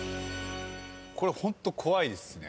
これホント怖いですね。